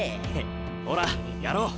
ほらやろう。